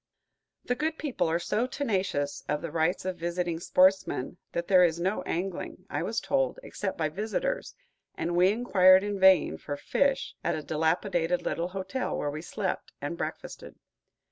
The good people are so tenacious of the rights of visiting sportsmen that there is no angling, I was told, except by visitors, and we inquired in vain for fish at the dilapidated little hotel where we slept and breakfasted.